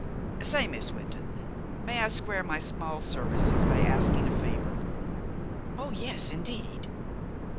Say, Miss Wynton, may I square my small services by asking a favor?" "Oh, yes, indeed."